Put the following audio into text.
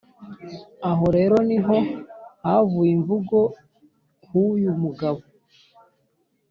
aho rero ni ho havuye imvugo huyu mugabo